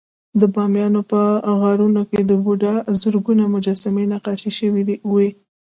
د بامیانو په غارونو کې د بودا زرګونه مجسمې نقاشي شوې وې